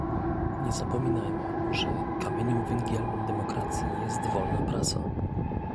Nie zapominajmy, że kamieniem węgielnym demokracji jest wolna prasa